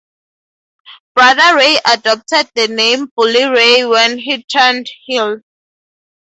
Brother Ray adopted the name Bully Ray when he turned heel.